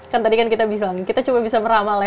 kan tadi kan kita bilang kita coba bisa meramal ya